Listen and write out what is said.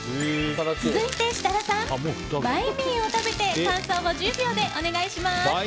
続いて設楽さんバインミーを食べて感想を１０秒でお願いします。